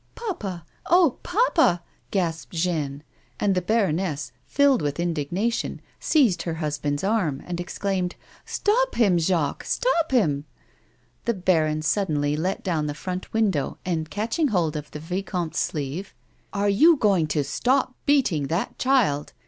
"Papa! oh, papa!" gasped Jeanne; and the baroness, filled with indignation, seized her husband's arm, and ex claimed :" Stop him, Jacques, stop him !" The baron suddenly let down the front window, and, catching hold of the vicomte's sleeve : "Are you going to stop beating that child?"